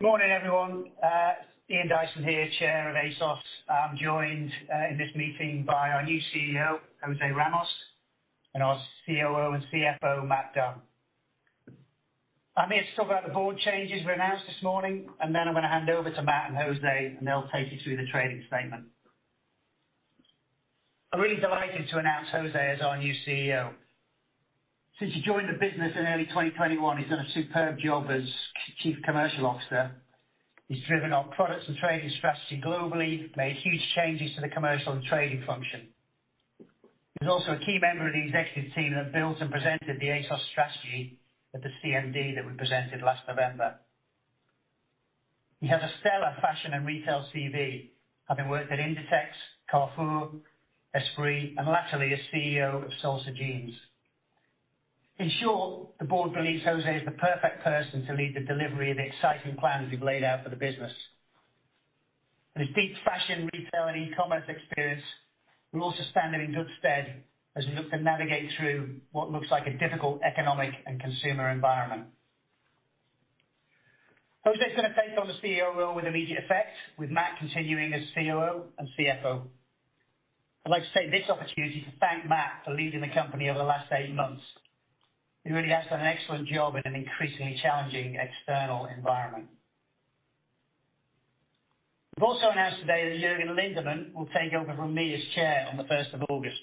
Good morning, everyone. Ian Dyson here, Chair of ASOS. I'm joined in this meeting by our new CEO, José Ramos, and our COO and CFO, Mat Dunn. I'm here to talk about the board changes we announced this morning, and then I'm gonna hand over to Mat and José, and they'll take you through the trading statement. I'm really delighted to announce José as our new CEO. Since he joined the business in early 2021, he's done a superb job as chief commercial officer. He's driven our products and trading strategy globally, made huge changes to the commercial and trading function. He's also a key member of the executive team that built and presented the ASOS strategy at the CMD that we presented last November. He has a stellar fashion and retail CV, having worked at Inditex, Carrefour, Esprit, and latterly as CEO of Salsa Jeans. In short, the board believes José is the perfect person to lead the delivery of the exciting plans we've laid out for the business. With his deep fashion, retail, and e-commerce experience, we're also standing in good stead as we look to navigate through what looks like a difficult economic and consumer environment. José is gonna take on the CEO role with immediate effect, with Mat continuing as COO and CFO. I'd like to take this opportunity to thank Mat for leading the company over the last eight months. He really has done an excellent job in an increasingly challenging external environment. We've also announced today that Jørgen Lindemann will take over from me as chair on the first of August.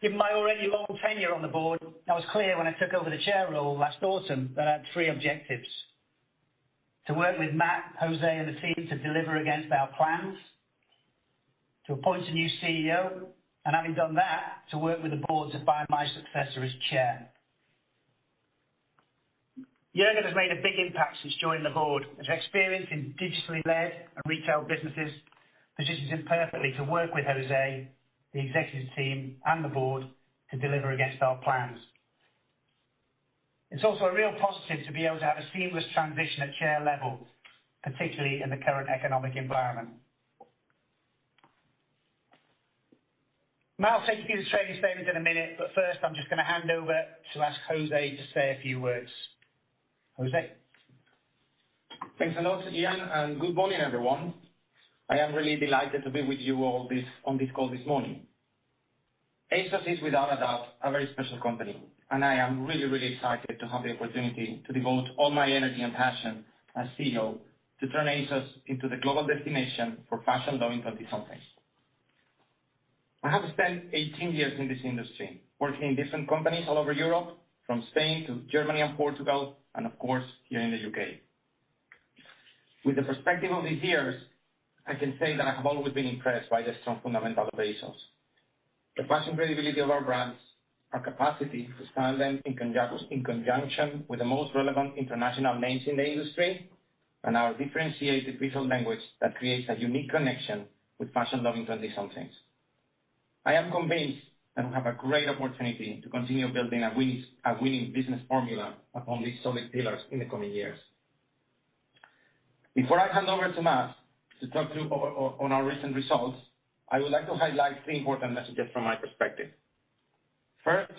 Given my already long tenure on the board, I was clear when I took over the chair role last autumn that I had three objectives. To work with Mat, José, and the team to deliver against our plans, to appoint a new CEO, and having done that, to work with the board to find my successor as chair. Jørgen has made a big impact since joining the board. His experience in digitally led and retail businesses positions him perfectly to work with José, the executive team, and the board to deliver against our plans. It's also a real positive to be able to have a seamless transition at chair level, particularly in the current economic environment. Mat will take you through the trading statement in a minute, but first, I'm just gonna hand over to ask José to say a few words. José? Thanks a lot, Ian, and good morning, everyone. I am really delighted to be with you all on this call this morning. ASOS is, without a doubt, a very special company, and I am really, really excited to have the opportunity to devote all my energy and passion as CEO to turn ASOS into the global destination for fashion-loving twenty-somethings. I have spent 18 years in this industry, working in different companies all over Europe, from Spain to Germany and Portugal, and of course, here in the UK. With the perspective of these years, I can say that I have always been impressed by the strong fundamentals of ASOS. The fashion credibility of our brands, our capacity to stand them in conjunction with the most relevant international names in the industry, and our differentiated visual language that creates a unique connection with fashion-loving twenty-somethings. I am convinced that we have a great opportunity to continue building a winning business formula upon these solid pillars in the coming years. Before I hand over to Mat to talk to you on our recent results, I would like to highlight three important messages from my perspective. First,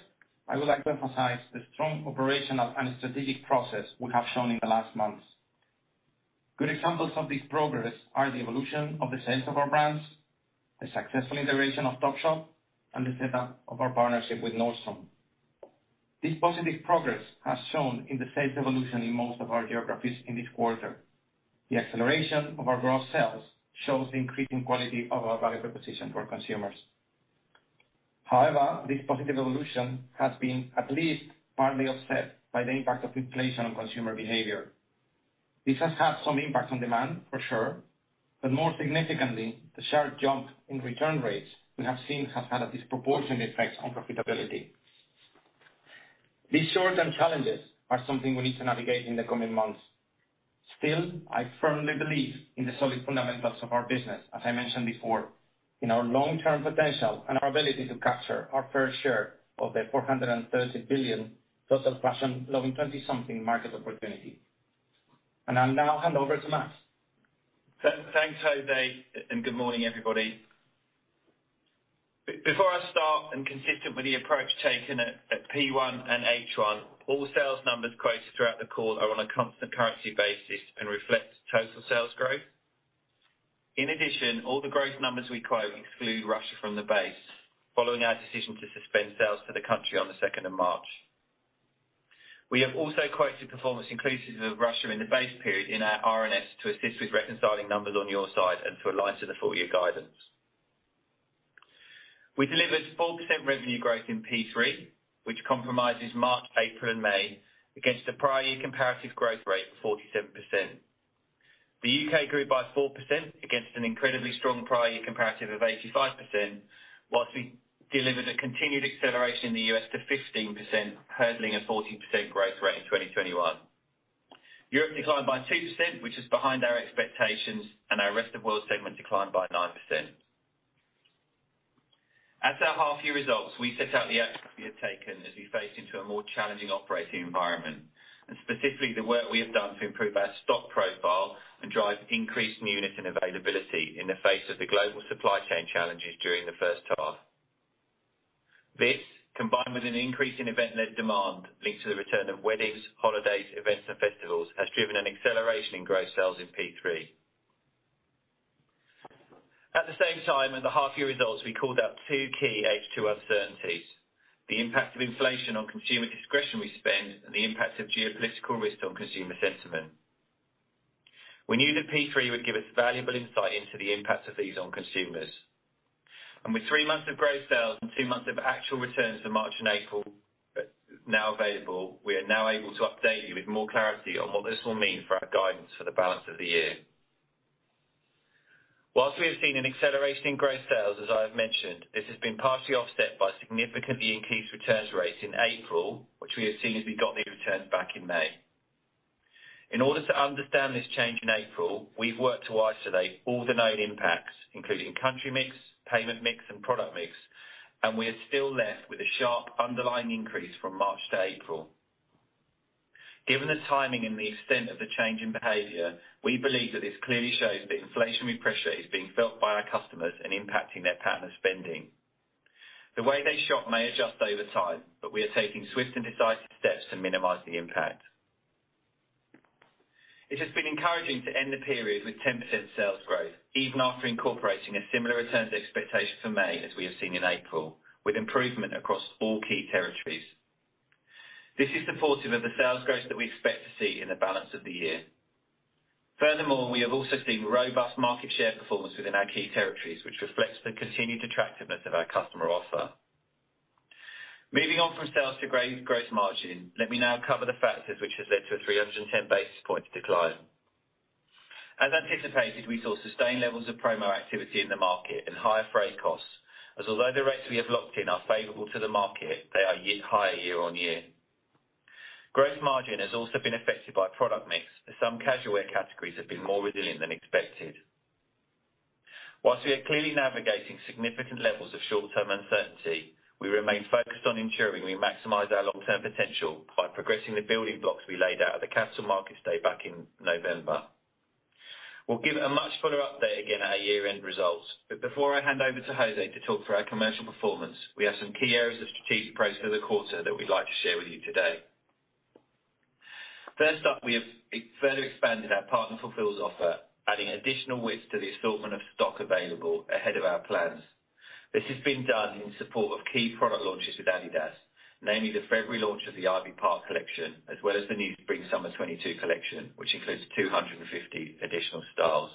I would like to emphasize the strong operational and strategic progress we have shown in the last months. Good examples of this progress are the evolution of the sales of our brands, the successful integration of Topshop, and the setup of our partnership with Nordstrom. This positive progress has shown in the sales evolution in most of our geographies in this quarter. The acceleration of our growth sales shows the increasing quality of our value proposition for consumers. However, this positive evolution has been at least partly offset by the impact of inflation on consumer behavior. This has had some impact on demand for sure, but more significantly, the sharp jump in return rates we have seen has had a disproportionate effect on profitability. These short-term challenges are something we need to navigate in the coming months. Still, I firmly believe in the solid fundamentals of our business, as I mentioned before, in our long-term potential and our ability to capture our fair share of the 430 billion total fashion-loving twenty-something market opportunity. I'll now hand over to Mat. Thanks, José, and good morning, everybody. Before I start, consistent with the approach taken at P1 and H1, all sales numbers quoted throughout the call are on a constant currency basis and reflect total sales growth. In addition, all the growth numbers we quote exclude Russia from the base, following our decision to suspend sales to the country on the second of March. We have also quoted performance inclusive of Russia in the base period in our RNS to assist with reconciling numbers on your side and to align to the full year guidance. We delivered 4% revenue growth in P3, which comprises March, April and May, against the prior year comparative growth rate of 47%. The UK grew by 4% against an incredibly strong prior year comparative of 85%, while we delivered a continued acceleration in the US to 15%, hurdling a 14% growth rate in 2021. Europe declined by 2%, which is behind our expectations, and our rest of world segment declined by 9%. At our half-year results, we set out the actions we have taken as we face into a more challenging operating environment, and specifically the work we have done to improve our stock profile and drive increased unit and availability in the face of the global supply chain challenges during the first half. This, combined with an increase in event-led demand linked to the return of weddings, holidays, events and festivals, has driven an acceleration in growth sales in P3. At the same time, at the half year results, we called out two key H2 uncertainties, the impact of inflation on consumer discretionary spend and the impact of geopolitical risk on consumer sentiment. We knew that P3 would give us valuable insight into the impact of these on consumers. With three months of growth sales and two months of actual returns for March and April now available, we are now able to update you with more clarity on what this will mean for our guidance for the balance of the year. While we have seen an acceleration in growth sales, as I have mentioned, this has been partially offset by significantly increased returns rates in April, which we have seen as we got the returns back in May. In order to understand this change in April, we've worked to isolate all the known impacts, including country mix, payment mix, and product mix, and we are still left with a sharp underlying increase from March to April. Given the timing and the extent of the change in behavior, we believe that this clearly shows that inflationary pressure is being felt by our customers and impacting their pattern of spending. The way they shop may adjust over time, but we are taking swift and decisive steps to minimize the impact. It has been encouraging to end the period with 10% sales growth, even after incorporating a similar returns expectation for May as we have seen in April, with improvement across all key territories. This is supportive of the sales growth that we expect to see in the balance of the year. Furthermore, we have also seen robust market share performance within our key territories, which reflects the continued attractiveness of our customer offer. Moving on from sales to gross margin, let me now cover the factors which has led to a 310 basis points decline. As anticipated, we saw sustained levels of promo activity in the market and higher freight costs, although the rates we have locked in are favorable to the market, they are higher year-on-year. Gross margin has also been affected by product mix, as some casual wear categories have been more resilient than expected. While we are clearly navigating significant levels of short term uncertainty, we remain focused on ensuring we maximize our long term potential by progressing the building blocks we laid out at the Capital Markets Day back in November. We'll give a much fuller update again at our year-end results. Before I hand over to José to talk through our commercial performance, we have some key areas of strategic progress for the quarter that we'd like to share with you today. First up, we have further expanded our Partner Fulfils offer, adding additional width to the assortment of stock available ahead of our plans. This has been done in support of key product launches with Adidas, namely the February launch of the Ivy Park collection, as well as the new Spring Summer 2022 collection, which includes 250 additional styles.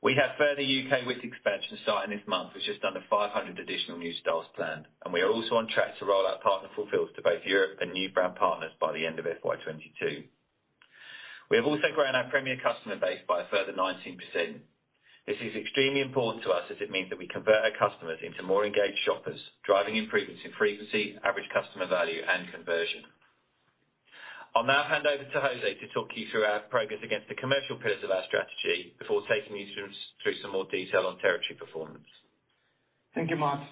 We have further U.K. width expansion starting this month, with just under 500 additional new styles planned, and we are also on track to roll out Partner Fulfils to both Europe and new brand partners by the end of FY 2022. We have also grown our Premier customer base by a further 19%. This is extremely important to us as it means that we convert our customers into more engaged shoppers, driving improvements in frequency, average customer value and conversion. I'll now hand over to José to talk you through our progress against the commercial pillars of our strategy before taking you through some more detail on territory performance. Thank you, Mat.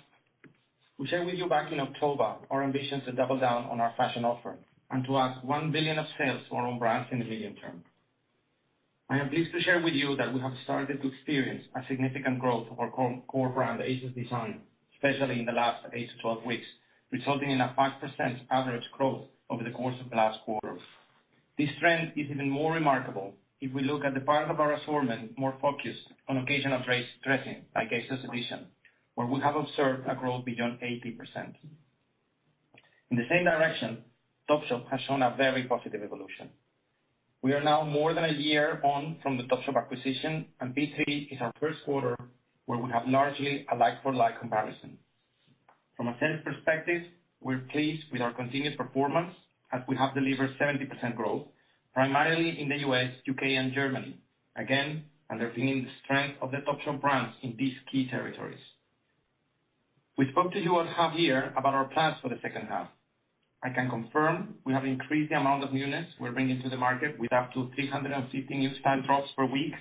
We shared with you back in October our ambitions to double down on our fashion offer and to add 1 billion of sales to our own brands in the medium term. I am pleased to share with you that we have started to experience a significant growth of our core brand, ASOS DESIGN, especially in the last eight to 12 weeks, resulting in a 5% average growth over the course of the last quarter. This trend is even more remarkable if we look at the part of our assortment more focused on occasion dressing, like ASOS EDITION, where we have observed a growth beyond 80%. In the same direction, Topshop has shown a very positive evolution. We are now more than a year on from the Topshop acquisition, and P3 is our first quarter where we have largely a like-for-like comparison. From a sales perspective, we're pleased with our continued performance as we have delivered 70% growth, primarily in the U.S., U.K. and Germany, again, underpinning the strength of the Topshop brands in these key territories. We spoke to you at half year about our plans for the second half. I can confirm we have increased the amount of newness we're bringing to the market with up to 350 new style drops per week.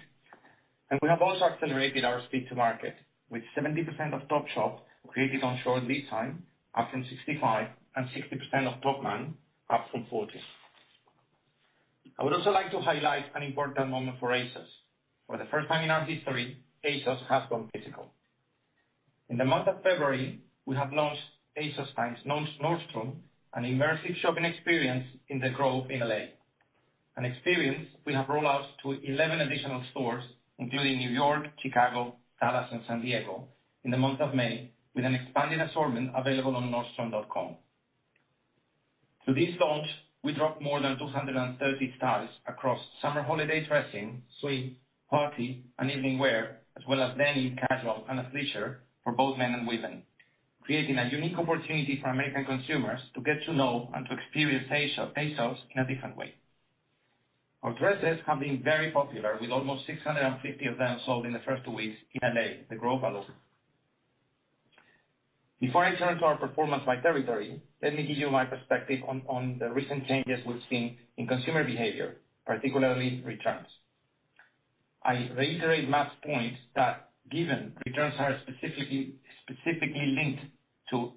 We have also accelerated our speed to market with 70% of Topshop created on short lead time, up from 65, and 60% of Topman up from 40. I would also like to highlight an important moment for ASOS. For the first time in our history, ASOS has gone physical. In the month of February, we have launched ASOS | Nordstrom, an immersive shopping experience in The Grove in L.A. An experience we have rolled out to 11 additional stores, including New York, Chicago, Dallas and San Diego in the month of May with an expanded assortment available on Nordstrom.com. Through this launch, we dropped more than 230 styles across summer holiday dressing, swim, party, and evening wear, as well as denim, casual, and athleisure for both men and women, creating a unique opportunity for American consumers to get to know and to experience ASOS in a different way. Our dresses have been very popular, with almost 650 of them sold in the first two weeks in L.A. The Grove alone. Before I turn to our performance by territory, let me give you my perspective on the recent changes we've seen in consumer behavior, particularly returns. I reiterate Mat's point that given returns are specifically linked to...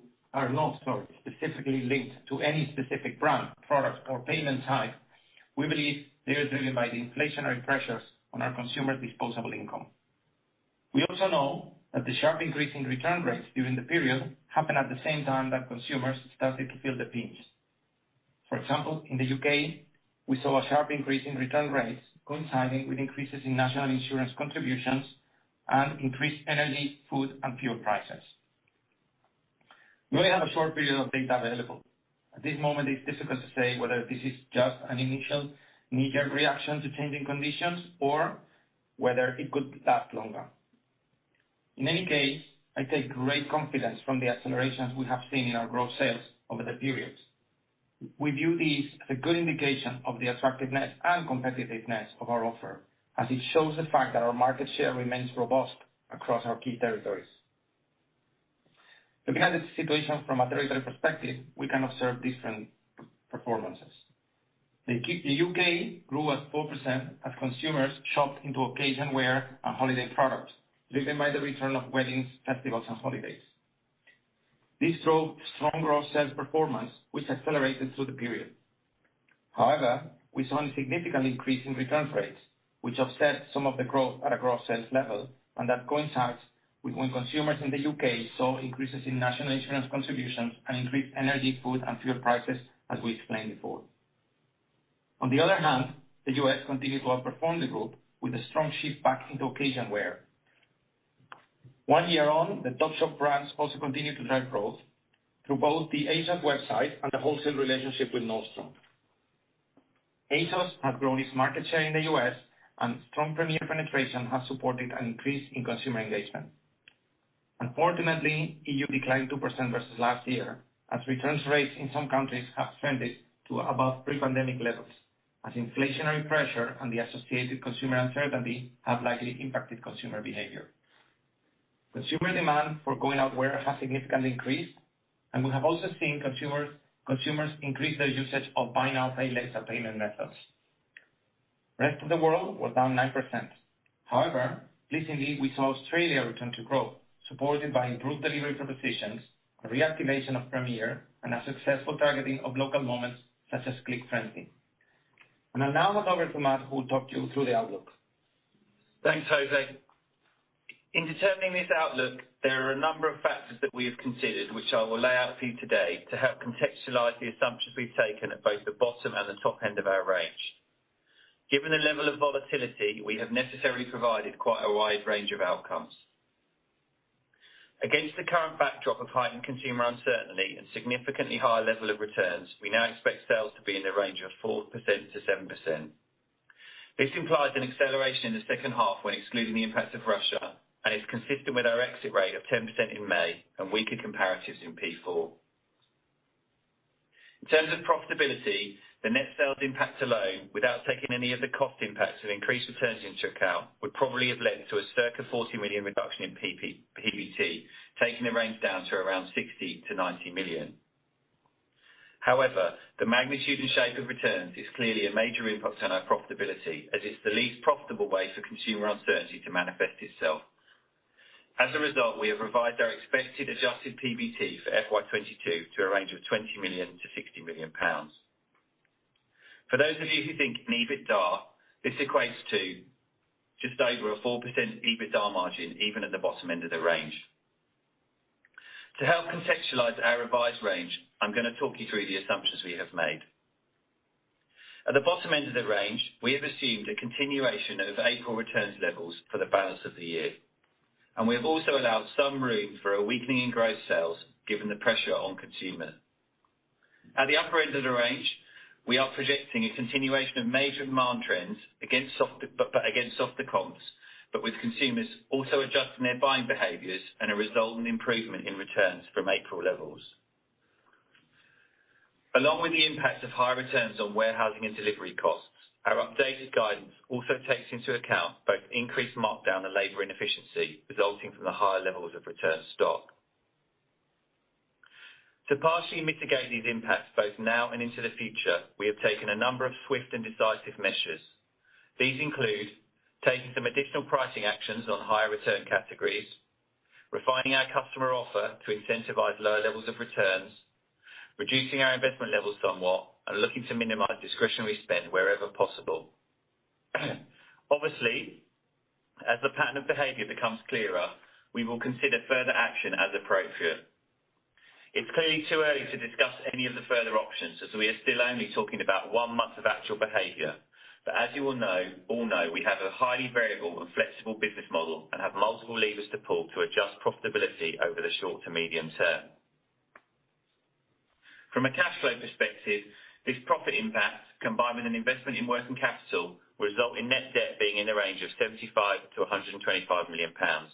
Specifically linked to any specific brand, product, or payment type, we believe they are driven by the inflationary pressures on our consumer disposable income. We also know that the sharp increase in return rates during the period happened at the same time that consumers started to feel the pinch. For example, in the U.K., we saw a sharp increase in return rates coinciding with increases in national insurance contributions and increased energy, food, and fuel prices. We have a short period of data available. At this moment, it's difficult to say whether this is just an initial knee-jerk reaction to changing conditions or whether it could last longer. In any case, I take great confidence from the accelerations we have seen in our gross sales over the periods. We view these as a good indication of the attractiveness and competitiveness of our offer, as it shows the fact that our market share remains robust across our key territories. Looking at the situation from a territory perspective, we can observe different performances. The U.K. grew at 4% as consumers shopped into occasion wear and holiday products, lifted by the return of weddings, festivals, and holidays. This drove strong gross sales performance, which accelerated through the period. However, we saw a significant increase in return rates, which offset some of the growth at a gross sales level, and that coincides with when consumers in the U.K. saw increases in national insurance contributions and increased energy, food, and fuel prices, as we explained before. On the other hand, the U.S. continued to outperform the group with a strong shift back into occasion wear. One year on, the Topshop brands also continued to drive growth through both the ASOS website and the wholesale relationship with Nordstrom. ASOS has grown its market share in the U.S., and strong Premier penetration has supported an increase in consumer engagement. Unfortunately, E.U. declined 2% versus last year as returns rates in some countries have trended to above pre-pandemic levels as inflationary pressure and the associated consumer uncertainty have likely impacted consumer behavior. Consumer demand for going out wear has significantly increased, and we have also seen consumers increase their usage of buy now, pay later payment methods. Rest of the world was down 9%. However, pleasingly, we saw Australia return to growth, supported by improved delivery propositions, a reactivation of Premier, and a successful targeting of local moments such as Click Frenzy. I'll now hand over to Mat, who will talk you through the outlook. Thanks, José. In determining this outlook, there are a number of factors that we have considered, which I will lay out for you today to help contextualize the assumptions we've taken at both the bottom and the top end of our range. Given the level of volatility, we have necessarily provided quite a wide range of outcomes. Against the current backdrop of heightened consumer uncertainty and significantly higher level of returns, we now expect sales to be in the range of 4%-7%. This implies an acceleration in the second half when excluding the impact of Russia, and is consistent with our exit rate of 10% in May and weaker comparatives in P4. In terms of profitability, the net sales impact alone, without taking any of the cost impacts and increased returns into account, would probably have led to a circa 40 million reduction in PBT, taking the range down to around 60 million-90 million. However, the magnitude and shape of returns is clearly a major input on our profitability, as it's the least profitable way for consumer uncertainty to manifest itself. As a result, we have revised our expected adjusted PBT for FY 2022 to a range of GBP 20 million-GBP 60 million. For those of you who think in EBITDA, this equates to just over a 4% EBITDA margin, even at the bottom end of the range. To help contextualize our revised range, I'm gonna talk you through the assumptions we have made. At the bottom end of the range, we have assumed a continuation of April returns levels for the balance of the year, and we have also allowed some room for a weakening in growth sales given the pressure on consumer. At the upper end of the range, we are projecting a continuation of May demand trends against soft, against softer comps, but with consumers also adjusting their buying behaviors and a result in improvement in returns from April levels. Along with the impact of higher returns on warehousing and delivery costs, our updated guidance also takes into account both increased markdown and labor inefficiency resulting from the higher levels of returned stock. To partially mitigate these impacts, both now and into the future, we have taken a number of swift and decisive measures. These include taking some additional pricing actions on higher return categories, refining our customer offer to incentivize lower levels of returns, reducing our investment levels somewhat, and looking to minimize discretionary spend wherever possible. Obviously, as the pattern of behavior becomes clearer, we will consider further action as appropriate. It's clearly too early to discuss any of the further options, as we are still only talking about one month of actual behavior, but as you will know, we have a highly variable and flexible business model and have multiple levers to pull to adjust profitability over the short to medium term. From a cash flow perspective, this profit impact, combined with an investment in working capital, will result in net debt being in the range of 75 million-125 million pounds.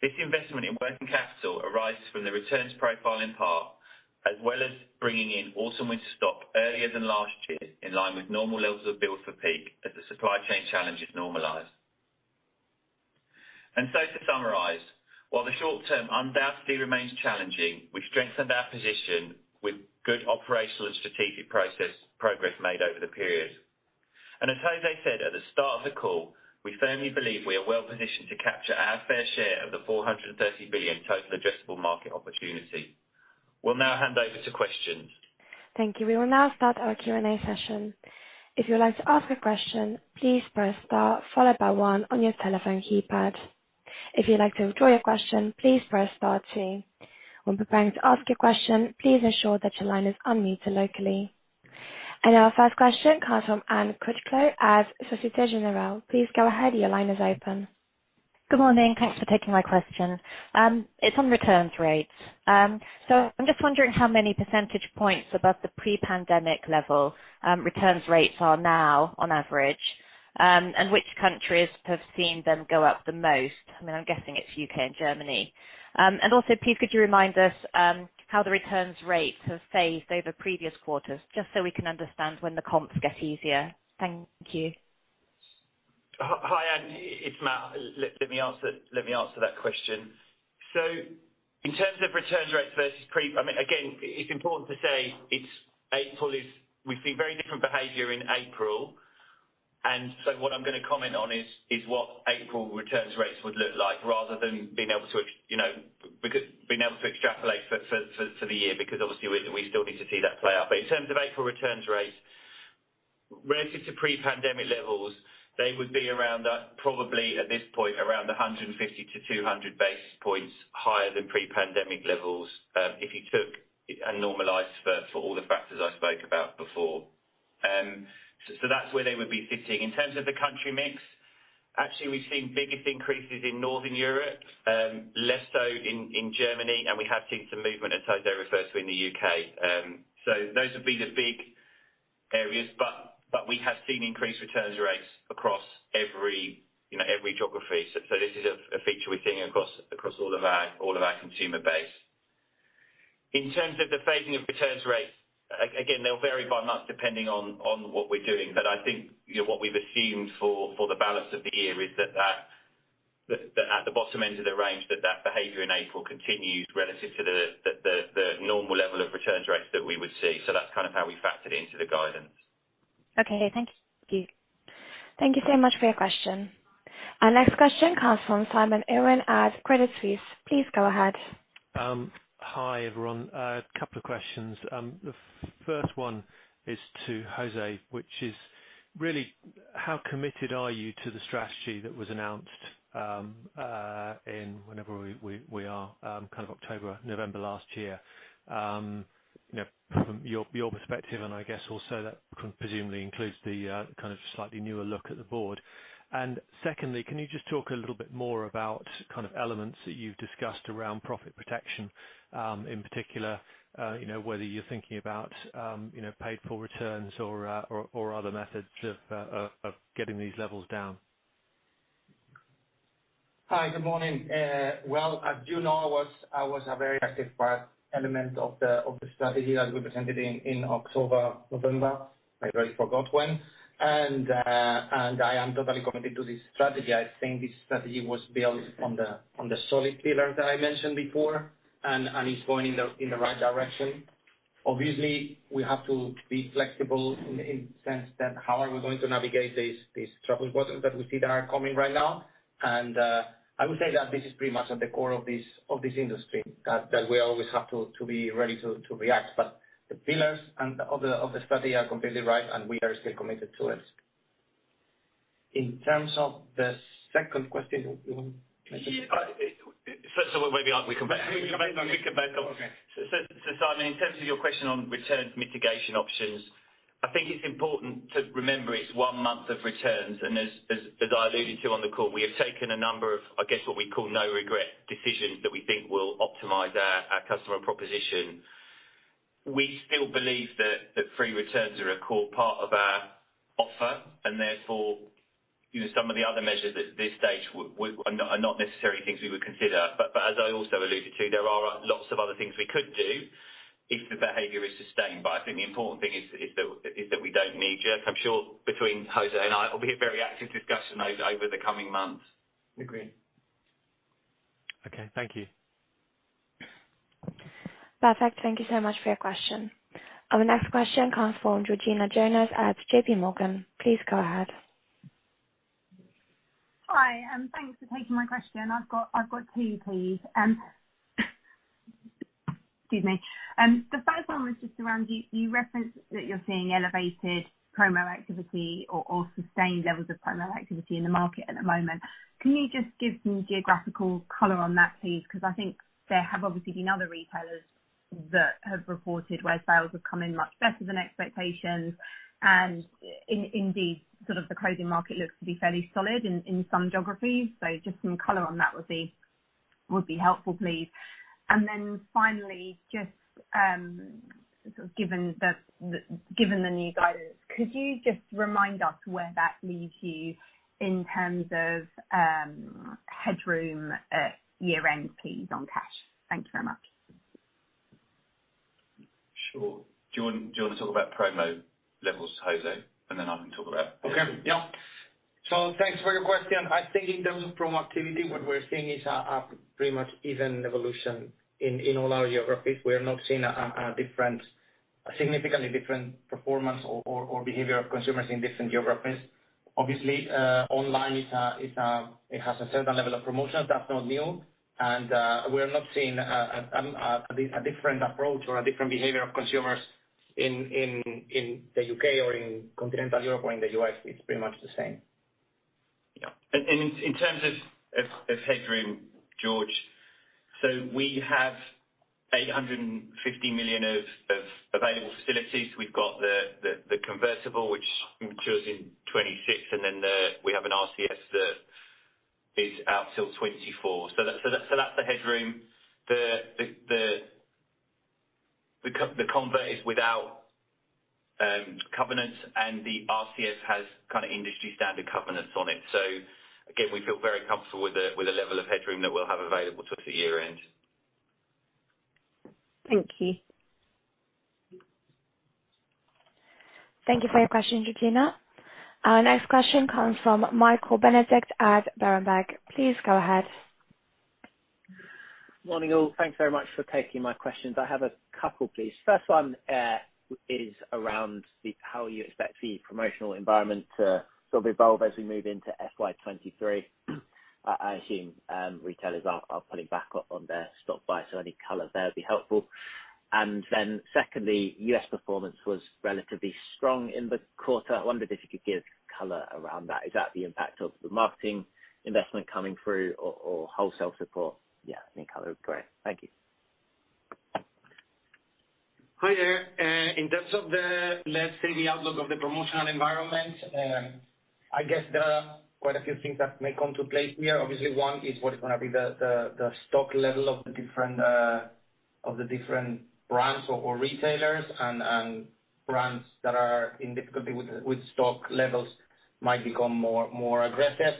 This investment in working capital arises from the returns profile in part, as well as bringing in autumn winter stock earlier than last year, in line with normal levels of build for peak as the supply chain challenge is normalized. To summarize, while the short term undoubtedly remains challenging, we've strengthened our position with good operational and strategic process, progress made over the period. As José said at the start of the call, we firmly believe we are well positioned to capture our fair share of the 430 billion total addressable market opportunity. We'll now hand over to questions. Thank you. We will now start our Q&A session. If you would like to ask a question, please press star followed by one on your telephone keypad. If you'd like to withdraw your question, please press star two. When preparing to ask your question, please ensure that your line is unmuted locally. Our first question comes from Anne Critchlow at Société Générale. Please go ahead. Your line is open. Good morning. Thanks for taking my question. It's on return rates. So I'm just wondering how many percentage points above the pre-pandemic level return rates are now on average, and which countries have seen them go up the most? I mean, I'm guessing it's U.K. and Germany. And also, please, could you remind us how the return rates have changed over previous quarters, just so we can understand when the comps get easier. Thank you. Hi, Anne. It's Mat. Let me answer that question. In terms of return rates versus pre-pandemic, I mean, again, it's important to say it's April. We've seen very different behavior in April. What I'm gonna comment on is what April return rates would look like rather than being able to, you know, extrapolate for the year, because obviously we still need to see that play out. In terms of April return rates, relative to pre-pandemic levels, they would be around, probably at this point, around 150-200 basis points higher than pre-pandemic levels, if you took and normalized for all the factors I spoke about before. That's where they would be sitting. In terms of the country mix, actually, we've seen biggest increases in Northern Europe, less so in Germany, and we have seen some movement, as José referred to, in the U.K. So those would be the big areas, but we have seen increased returns rates across every geography. So this is a feature we're seeing across all of our consumer base. In terms of the phasing of returns rates, again, they'll vary by month depending on what we're doing. But I think, you know, what we've assumed for the balance of the year is that at the bottom end of the range, that behavior in April continues relative to the normal level of returns rates that we would see. So that's kind of how we factored into the guidance. Okay, thank you. Thank you so much for your question. Our next question comes from Simon Irwin at Credit Suisse. Please go ahead. Hi, everyone. A couple of questions. The first one is to José, which is really how committed are you to the strategy that was announced, in whenever we are kind of October, November last year, you know, from your perspective, and I guess also that presumably includes the kind of slightly newer look at the board. Secondly, can you just talk a little bit more about kind of elements that you've discussed around profit protection, in particular, you know, whether you're thinking about you know, paid for returns or other methods of getting these levels down? Hi, good morning. Well, as you know, I was a very active element of the strategy that we presented in October, November. I already forgot when. I am totally committed to this strategy. I think this strategy was built on the solid pillars that I mentioned before and is going in the right direction. Obviously, we have to be flexible in the sense that how we are going to navigate these troubled waters that we see that are coming right now. I would say that this is pretty much at the core of this industry, that we always have to be ready to react. The pillars of the strategy are completely right and we are still committed to it. In terms of the second question, you want me to. Yeah. Maybe we can come back. Okay. Simon, in terms of your question on returns mitigation options, I think it's important to remember it's one month of returns, and as I alluded to on the call, we have taken a number of, I guess what we'd call no regret decisions that we think will optimize our customer proposition. We still believe that free returns are a core part of our offer, and therefore, you know, some of the other measures at this stage are not necessarily things we would consider. As I also alluded to, there are lots of other things we could do if the behavior is sustained. I think the important thing is that we don't need to. I'm sure between José and I, it'll be a very active discussion over the coming months. Agreed. Okay. Thank you. Perfect. Thank you so much for your question. Our next question comes from Georgina Johanan at JPMorgan. Please go ahead. Hi, and thanks for taking my question. I've got two, please. The first one was just around you referenced that you're seeing elevated promo activity or sustained levels of promo activity in the market at the moment. Can you just give some geographic color on that, please? Because I think there have obviously been other retailers that have reported where sales have come in much better than expectations, and indeed, sort of the clothing market looks to be fairly solid in some geographies. Just some color on that would be helpful, please. Then finally, just sort of given the new guidance, could you just remind us where that leaves you in terms of headroom at year-end, please, on cash? Thank you very much. Sure. Do you want to talk about promo levels, José, and then I can talk about Okay. Yeah. Thanks for your question. I think in terms of promo activity, what we're seeing is a pretty much even evolution in all our geographies. We're not seeing a significantly different performance or behavior of consumers in different geographies. Obviously, online, it has a certain level of promotions. That's not new. We're not seeing a different approach or a different behavior of consumers in the U.K. or in continental Europe or in the U.S., it's pretty much the same. Yeah. In terms of headroom, George, we have 850 million of available facilities. We've got the convertible, which matures in 2026, and then we have an RCF that is out till 2024. That's the headroom. The convert is without covenants, and the RCF has kinda industry standard covenants on it. Again, we feel very comfortable with the level of headroom that we'll have available to us at year-end. Thank you. Thank you for your question, Georgina. Our next question comes from Michael Benedict at Berenberg. Please go ahead. Morning, all. Thanks very much for taking my questions. I have a couple, please. First one is around how you expect the promotional environment to sort of evolve as we move into FY 2023. I assume retailers are pulling back on their stock buys, so any color there would be helpful. Secondly, U.S. performance was relatively strong in the quarter. I wondered if you could give color around that. Is that the impact of the marketing investment coming through or wholesale support? Yeah, any color would be great. Thank you. Hi there. In terms of the, let's say, the outlook of the promotional environment, I guess there are quite a few things that may come to play here. Obviously, one is what is gonna be the stock level of the different brands or retailers and brands that are in difficulty with stock levels might become more aggressive.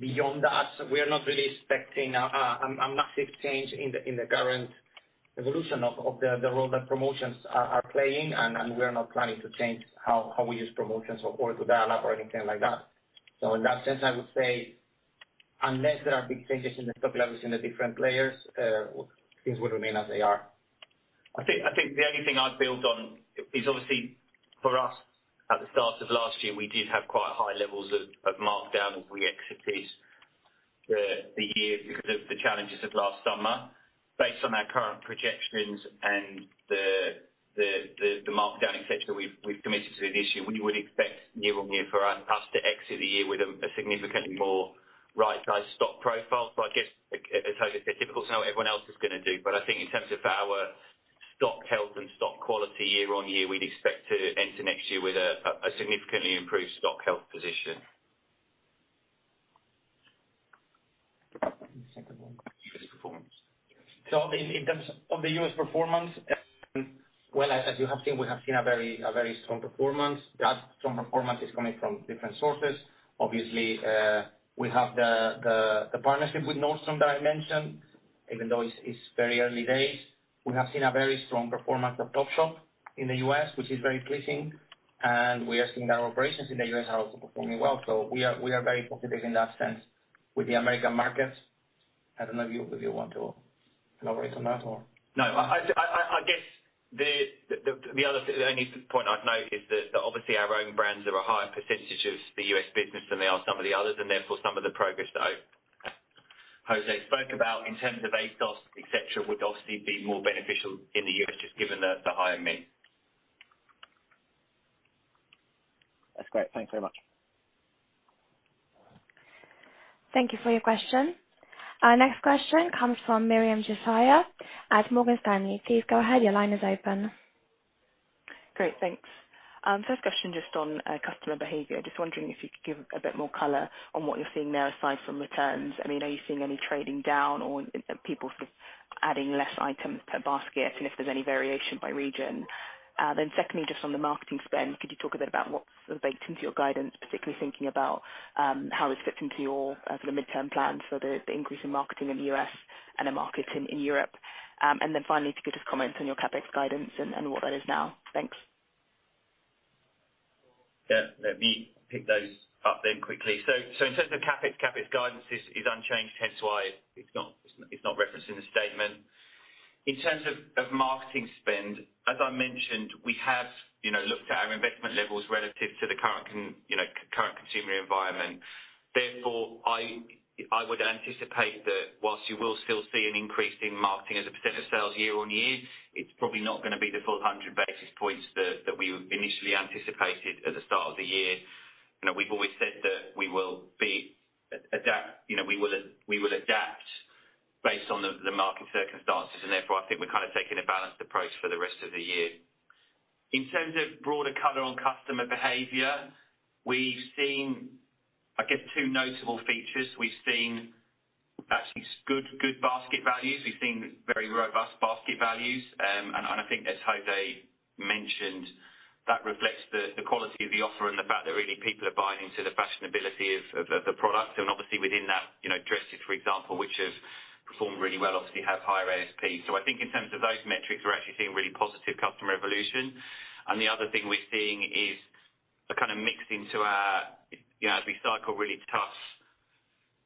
Beyond that, we are not really expecting a massive change in the current evolution of the role that promotions are playing, and we're not planning to change how we use promotions or to dial up or anything like that. In that sense, I would say unless there are big changes in the stock levels in the different players, things will remain as they are. I think the only thing I'd build on is obviously for us, at the start of last year, we did have quite high levels of markdown as we exited the year because of the challenges of last summer. Based on our current projections and the markdown, et cetera, we've committed to this year, we would expect year-on-year for us to exit the year with a significantly more right-sized stock profile. I guess, it's difficult to know what everyone else is gonna do, but I think in terms of our stock health and stock quality year-on-year, we'd expect to enter next year with a significantly improved stock health position. The second one? U.S. performance. In terms of the U.S. performance, as you have seen, we have seen a very strong performance. That strong performance is coming from different sources. Obviously, we have the partnership with Nordstrom that I mentioned, even though it's very early days. We have seen a very strong performance of Topshop in the U.S., which is very pleasing. We are seeing our operations in the U.S. are also performing well. We are very positive in that sense with the American markets. I don't know if you want to elaborate on that. No. I guess the only point I'd note is that obviously our own brands are a higher percentage of the U.S. business than they are some of the others, and therefore some of the progress that José spoke about in terms of ASOS, et cetera, would obviously be more beneficial in the U.S. just given the higher mix. That's great. Thank you very much. Thank you for your question. Our next question comes from Miriam Josiah at Morgan Stanley. Please go ahead. Your line is open. Great. Thanks. First question, just on customer behavior. Just wondering if you could give a bit more color on what you're seeing there aside from returns. I mean, are you seeing any trading down or people sort of adding less items per basket and if there's any variation by region? Secondly, just on the marketing spend, could you talk a bit about what's sort of baked into your guidance, particularly thinking about how it's fitting to your sort of midterm plans for the increase in marketing in the U.S. and marketing in Europe? Finally, could you just comment on your CapEx guidance and what that is now? Thanks. Yeah. Let me pick those up then quickly. In terms of CapEx guidance is unchanged, hence why it's not referenced in the statement. In terms of marketing spend, as I mentioned, we have, you know, looked at our investment levels relative to the current consumer environment. Therefore, I would anticipate that while you will still see an increase in marketing as a percent of sales year-on-year, it's probably not gonna be the full 100 basis points that we initially anticipated at the start of the year. You know, we've always said that we will adapt, you know, based on the market circumstances, and therefore, I think we're kinda taking a balanced approach for the rest of the year. In terms of broader color on customer behavior, we've seen, I guess, two notable features. We've seen very robust basket values. I think as José mentioned, that reflects the quality of the offer and the fact that really people are buying into the fashionability of the product. Obviously within that, you know, dresses, for example, which have performed really well, obviously have higher ASP. I think in terms of those metrics, we're actually seeing really positive customer evolution. The other thing we're seeing is a kind of mix into our, you know, as we cycle really tough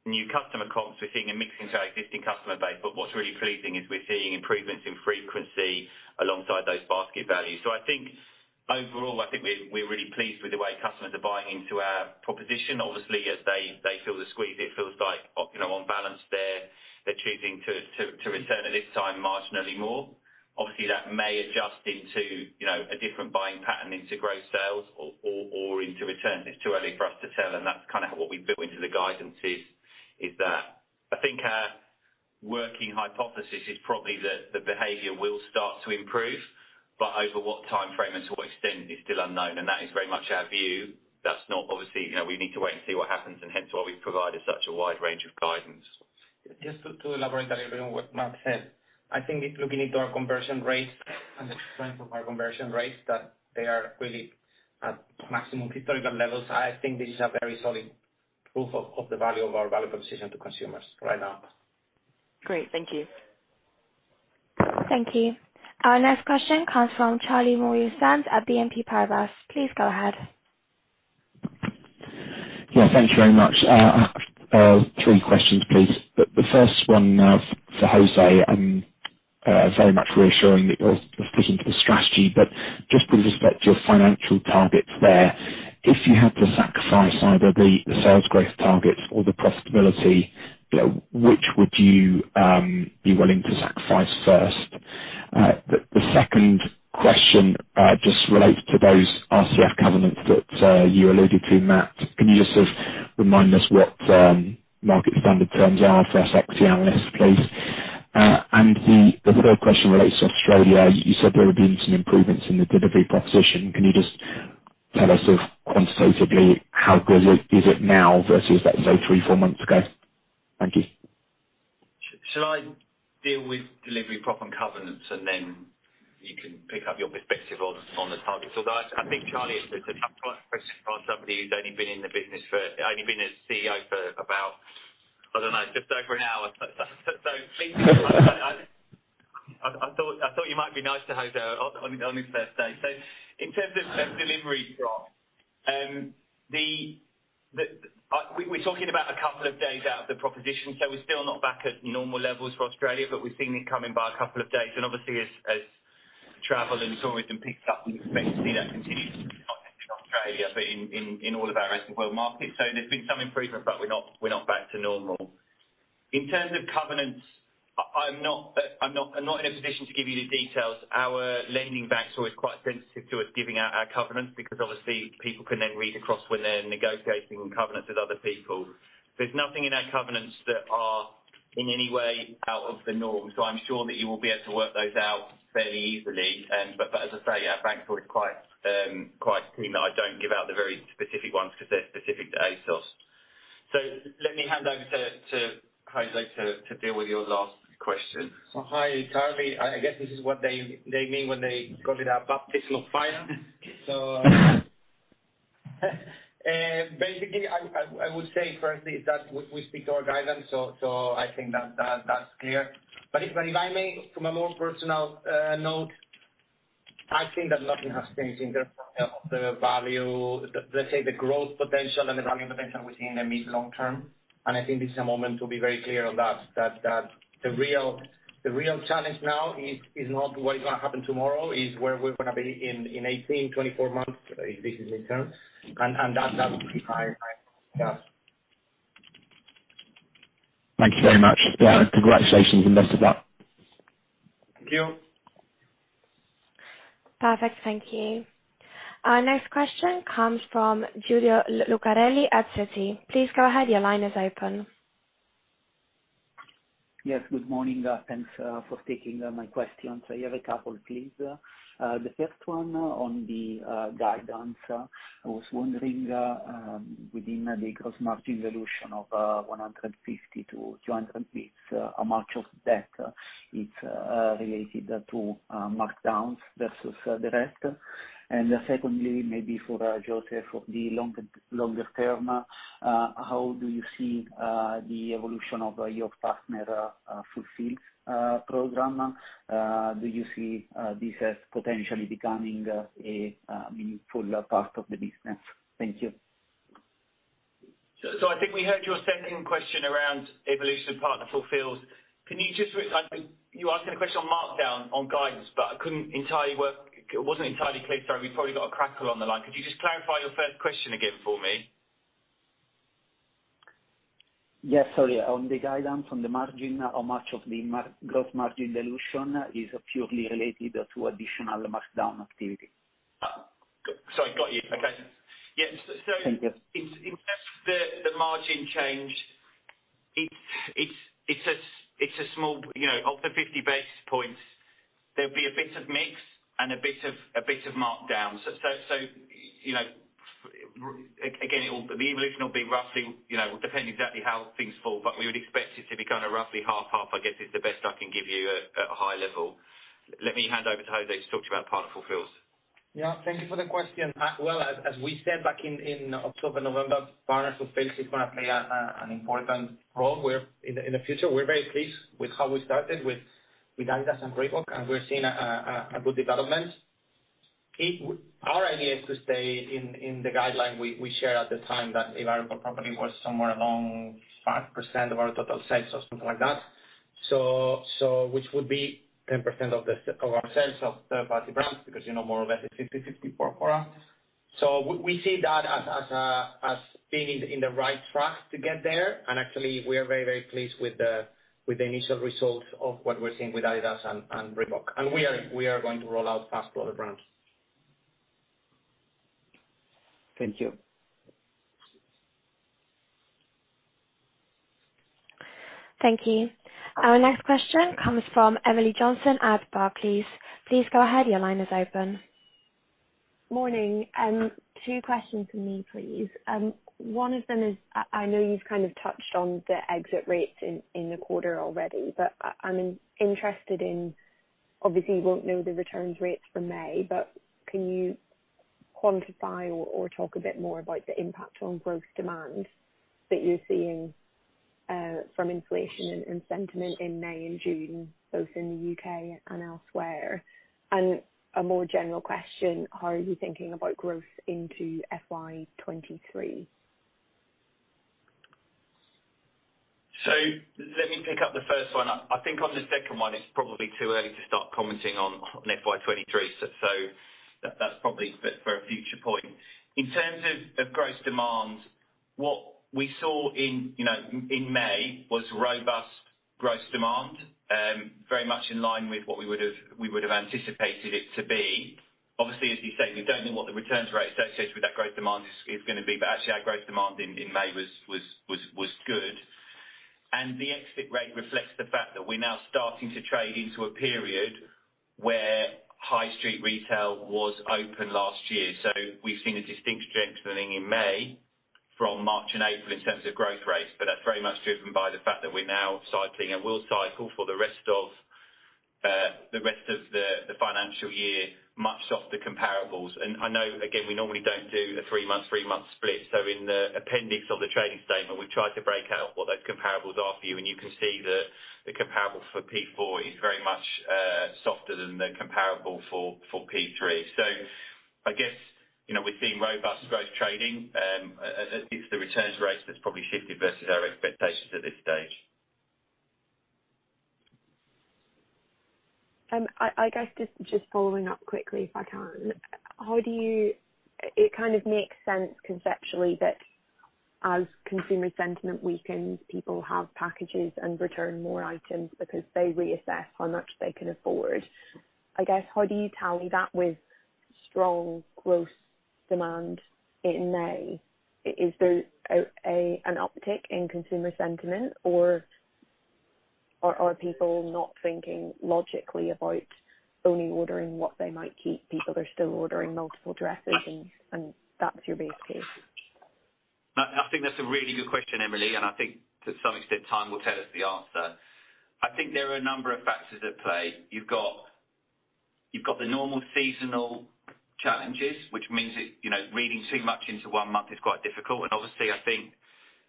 new customer comps, we're seeing a mix into our existing customer base. What's really pleasing is we're seeing improvements in frequency alongside those basket values. I think overall, I think we're really pleased with the way customers are buying into our proposition. Obviously, as they feel the squeeze, it feels like, you know, on balance, they're choosing to return at this time marginally more. Obviously, that may adjust into, you know, a different buying pattern into growth sales or into returns. It's too early for us to tell, and that's kinda what we've built into the guidance is that. I think our working hypothesis is probably that the behavior will start to improve, but over what timeframe and to what extent is still unknown, and that is very much our view. Obviously, you know, we need to wait and see what happens, and hence why we've provided such a wide range of guidance. Just to elaborate a little on what Mat said. I think if looking into our conversion rates and the strength of our conversion rates, that they are really at maximum historical levels. I think this is a very solid proof of the value of our value proposition to consumers right now. Great. Thank you. Thank you. Our next question comes from Charlie Maurice-Jones at BNP Paribas. Please go ahead. Yeah, thank you very much. Three questions, please. The first one for José, very much reassuring that you're sticking to the strategy, but just with respect to your financial targets there, if you had to sacrifice either the sales growth targets or the profitability, which would you be willing to sacrifice first? The second question just relates to those RCF covenants that you alluded to, Mat. Can you just sort of remind us what market standard terms are for us equity analysts, please? The third question relates to Australia. You said there had been some improvements in the delivery proposition. Can you just tell us sort of quantitatively how good it is now versus let's say three, four months ago? Thank you. Shall I deal with delivery, profit and covenants, and then you can pick up your perspective on the targets? Because I think Charlie, it's an unfair question for somebody who's only been a CEO for about, I don't know, just over an hour. Please be kind. I thought you might be nice to José on his first day. In terms of delivery proposition, we're talking about a couple of days out of the proposition. We're still not back at normal levels for Australia, but we've seen it coming by a couple of days. Obviously as travel and tourism picks up, we expect to see that continue, not just in Australia, but in all of our rest of world markets. There's been some improvement, but we're not back to normal. In terms of covenants, I'm not in a position to give you the details. Our lending banks are always quite sensitive to us giving out our covenants because obviously people can then read across when they're negotiating covenants with other people. There's nothing in our covenants that are in any way out of the norm. I'm sure that you will be able to work those out fairly easily. But as I say, our bank board is quite keen that I don't give out the very specific ones because they're specific to ASOS. Let me hand over to José to deal with your last question. Oh, hi, Charlie. I guess this is what they mean when they call it a baptism of fire. Basically I would say firstly is that we speak to our guidance, so I think that's clear. If I may, from a more personal note, I think that nothing has changed in terms of the value, let's say the growth potential and the value potential we see in the mid-long term. I think this is a moment to be very clear on that, the real challenge now is not what is gonna happen tomorrow. It's where we're gonna be in 18, 24 months if this is mid-term. That would be my view. Thank you very much. Yeah, congratulations on most of that. Thank you. Perfect. Thank you. Our next question comes Julio Cochrane at Citi. Please go ahead. Your line is open. Yes, good morning. Thanks for taking my questions. I have a couple, please. The first one on the guidance. I was wondering, within the gross margin dilution of 150-200 basis points, how much of that is related to markdowns versus the rest? Secondly, maybe for José, longer term, how do you see the evolution of your Partner Fulfills program? Do you see this as potentially becoming a meaningful part of the business? Thank you. I think we heard your second question around evolution of Partner Fulfills. You asked a question on markdown and guidance, but it wasn't entirely clear. Sorry. We've probably got a crackle on the line. Could you just clarify your first question again for me? Yes. Sorry. On the guidance on the margin, how much of the gross margin dilution is purely related to additional markdown activity? Sorry, got you. Okay. Thank you. Yeah, in terms of the margin change, it's a small. You know, of the 50 basis points, there'll be a bit of mix and a bit of markdown. You know, again, it will. The evolution will be roughly, you know, depending exactly how things fall, but we would expect it to be kind of roughly half-half, I guess, is the best I can give you at a high level. Let me hand over to José to talk to you about Partner Fulfills. Yeah. Thank you for the question. Well, as we said back in October, November, Partner Fulfills is gonna play an important role in the future. We're very pleased with how we started with Adidas and Reebok, and we're seeing a good development. Our idea is to stay in the guideline we shared at the time that the variable component was somewhere along 5% of our total sales or something like that. Which would be 10% of our sales of third-party brands, because you know more or less it's 50/50 for us. We see that as being on the right track to get there. Actually, we are very pleased with the initial results of what we're seeing with Adidas and Reebok. We are going to roll out fast to other brands. Thank you. Thank you. Our next question comes from Emily Johnson at Barclays. Please go ahead. Your line is open. Morning. Two questions from me, please. One of them is, I know you've kind of touched on the exit rates in the quarter already, but I'm interested in. Obviously, you won't know the returns rates for May, but can you quantify or talk a bit more about the impact on gross demand that you're seeing from inflation and sentiment in May and June, both in the U.K. and elsewhere? A more general question, how are you thinking about growth into FY 2023? Let me pick up the first one. I think on the second one, it's probably too early to start commenting on FY 2023, so that's probably for a future point. In terms of gross demand, what we saw in May was robust gross demand, very much in line with what we would've anticipated it to be. Obviously, as you say, we don't know what the returns rate associated with that gross demand is gonna be, but actually our gross demand in May was good. The exit rate reflects the fact that we're now starting to trade into a period where high street retail was open last year. We've seen a distinct gentling in May from March and April in terms of growth rates, but that's very much driven by the fact that we're now cycling, and will cycle for the rest of the financial year, much softer comparables. I know, again, we normally don't do the three-month split, so in the appendix of the trading statement, we've tried to break out what those comparable are for you. You can see that the comparable for P4 is very much softer than the comparable for P3. I guess, you know, we've seen robust growth trading, it's the returns rate that's probably shifted versus our expectations at this stage. I guess just following up quickly, if I can. How do you It kind of makes sense conceptually that as consumer sentiment weakens, people have packages and return more items because they reassess how much they can afford. I guess, how do you tally that with strong gross demand in May? Is there an uptick in consumer sentiment or are people not thinking logically about only ordering what they might keep, people are still ordering multiple dresses and that's your base case? I think that's a really good question, Emily, and I think to some extent, time will tell us the answer. I think there are a number of factors at play. You've got the normal seasonal challenges, which means that, you know, reading too much into one month is quite difficult. Obviously, I think,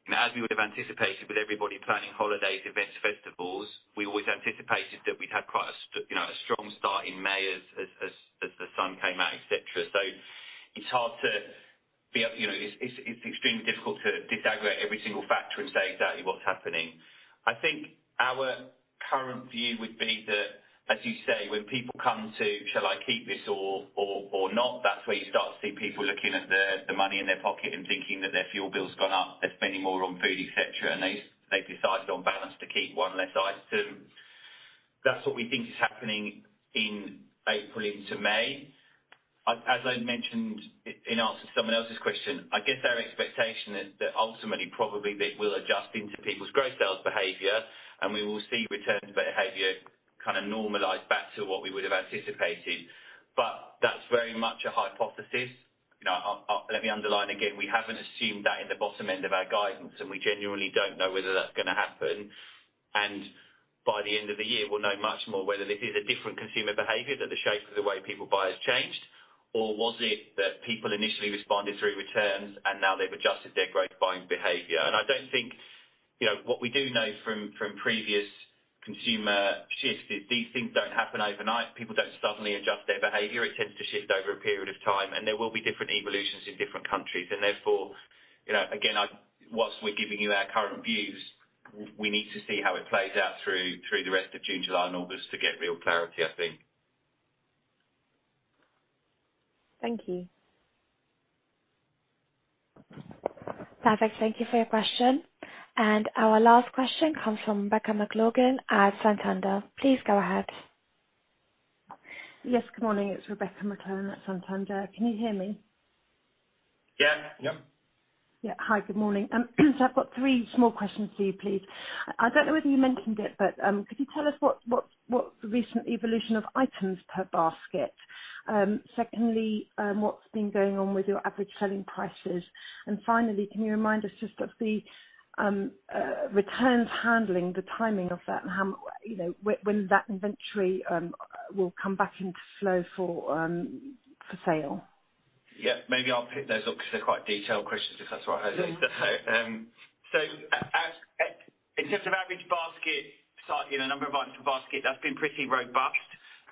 you know, as we would've anticipated with everybody planning holidays, events, festivals, we always anticipated that we'd have quite a strong start in May as the sun came out, et cetera. You know, it's extremely difficult to disaggregate every single factor and say exactly what's happening. I think our current view would be that, as you say, when people come to, "Shall I keep this or not?" That's where you start to see people looking at the money in their pocket and thinking that their fuel bill's gone up, they're spending more on food, et cetera, and they've decided on balance to keep one less item. That's what we think is happening in April into May. As I mentioned in answer to someone else's question, I guess our expectation is that ultimately probably it will adjust into people's gross sales behavior, and we will see returns behavior kinda normalize back to what we would've anticipated. That's very much a hypothesis. You know, let me underline again, we haven't assumed that in the bottom end of our guidance, and we genuinely don't know whether that's gonna happen. By the end of the year, we'll know much more whether this is a different consumer behavior, that the shape of the way people buy has changed, or was it that people initially responded through returns and now they've adjusted their gross buying behavior. I don't think. You know, what we do know from previous consumer shifts is these things don't happen overnight. People don't suddenly adjust their behavior. It tends to shift over a period of time, and there will be different evolutions in different countries. Therefore, you know, again, whilst we're giving you our current views, we need to see how it plays out through the rest of June, July and August to get real clarity, I think. Thank you. Perfect. Thank you for your question. Our last question comes from Rebecca McClellan at Santander. Please go ahead. Yes, good morning. It's Rebecca McClellan at Santander. Can you hear me? Yes. Yeah. Yeah. Hi, good morning. I've got three small questions for you, please. I don't know whether you mentioned it, but could you tell us what's the recent evolution of items per basket? Secondly, what's been going on with your average selling prices? Finally, can you remind us just of the returns handling, the timing of that, and how, you know, when that inventory will come back into flow for sale? Yeah. Maybe I'll pick those up because they're quite detailed questions, if that's all right, Emily. In terms of average basket size, you know, number of items per basket, that's been pretty robust.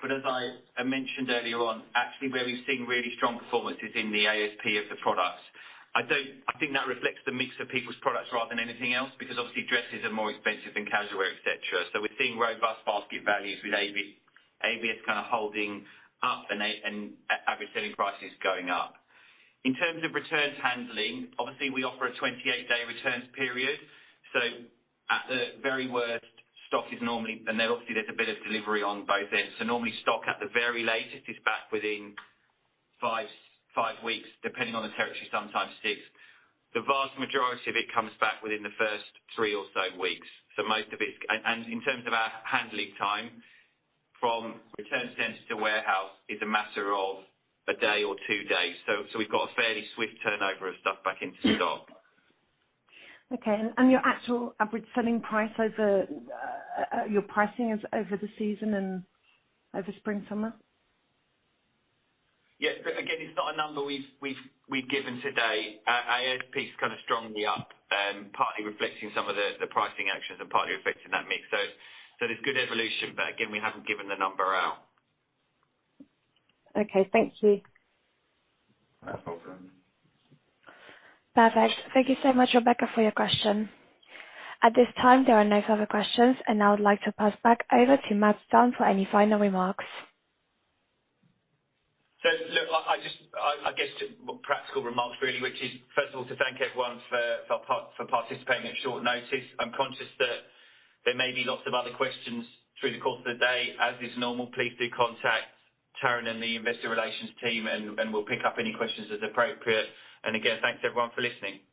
As I mentioned earlier on, actually where we've seen really strong performance is in the ASP of the products. I think that reflects the mix of people's products rather than anything else, because obviously dresses are more expensive than casual wear, et cetera. We're seeing robust basket values with AOVs kind of holding up and average selling prices going up. In terms of returns handling, obviously we offer a 28-day returns period, so at the very worst, stock is normally. Then obviously there's a bit of delivery on both ends. Normally stock at the very latest is back within five weeks, depending on the territory, sometimes six. The vast majority of it comes back within the first three or so weeks. Most of it in terms of our handling time, from return center to warehouse is a Mater of a day or two days. We've got a fairly swift turnover of stuff back into stock. Okay. Your actual average selling price over your pricing is over the season and over spring/summer? Yeah. Again, it's not a number we've given today. ASP is kind of strongly up, partly reflecting some of the pricing actions and partly reflecting that mix. There's good evolution, but again, we haven't given the number out. Okay, thank you. No problem. Perfect. Thank you so much, Rebecca, for your question. At this time, there are no further questions, and I would like to pass back over to Mat Dunn for any final remarks. Look, I just guess practical remarks really, which is first of all to thank everyone for participating at short notice. I'm conscious that there may be lots of other questions through the course of the day. As is normal, please do contact Taryn and the investor relations team and we'll pick up any questions as appropriate. Again, thanks everyone for listening.